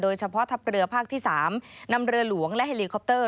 เฉพาะทัพเรือภาคที่๓นำเรือหลวงและเฮลีคอปเตอร์